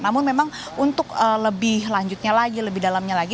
namun memang untuk lebih lanjutnya lagi lebih dalamnya lagi